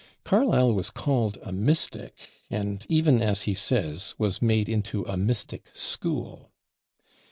Carlyle was called a "mystic," and even, as he says, was made into a "mystic school."